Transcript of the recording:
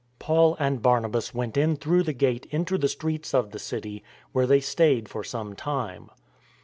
Paul and Barnabas went in through the gate into the streets of the city, where they stayed for some time.